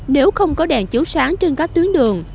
nếu không có đèn chiếu sáng trên các tuyến đường